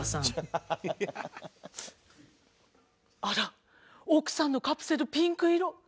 あら奥さんのカプセルピンク色。